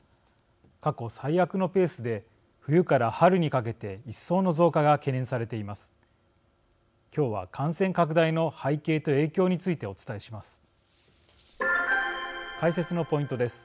過去、最悪のペースで冬から春にかけて一層の増加が懸念されています。